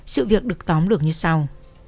sự việc được tóm được như sau